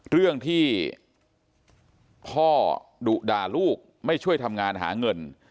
เรื่องที่พ่อดุด่าลูกไม่ช่วยทำงานหาเงิน